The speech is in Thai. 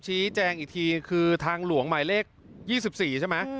ชี้แจงอีกทีคือทางหลวงหมายเลข๒๔ใช่ไหม